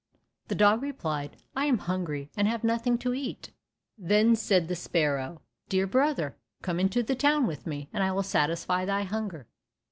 The dog replied, "I am hungry, and have nothing to eat." Then said the sparrow, "Dear brother, come into the town with me, and I will satisfy thy hunger."